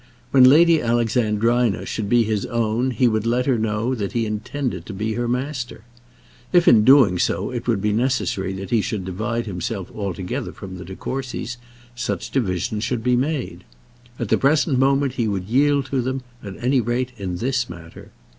When Lady Alexandrina should be his own he would let her know that he intended to be her master. If in doing so it would be necessary that he should divide himself altogether from the De Courcys, such division should be made. At the present moment he would yield to them, at any rate in this matter.